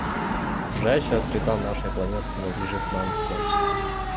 Окружающая среда нашей планеты принадлежит нам всем.